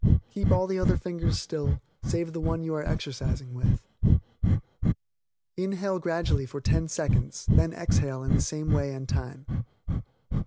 Keep all the other fingers still, save the one you are exercising with. Inhale gradually for ten seconds, then exhale in the same way and time.